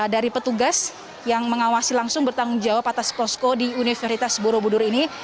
dari petugas yang mengawasi langsung bertanggung jawab atas posko di universitas borobudur ini